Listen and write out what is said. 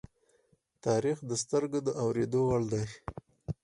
تاریخ د سترگو د اوریدو وړ دی.